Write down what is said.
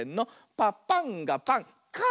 「パパンがパンカァ」